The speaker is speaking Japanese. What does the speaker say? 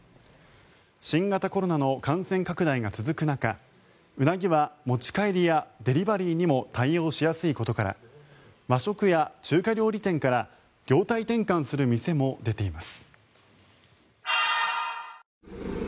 新型コロナの感染拡大が続く中ウナギは持ち帰りやデリバリーにも対応しやすいことから和食や中華料理店から業態転換する店も出ています。